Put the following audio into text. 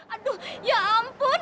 aduh ya ampun